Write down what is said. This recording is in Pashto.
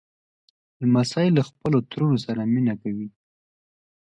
لمسی له خپلو ترونو سره مینه کوي.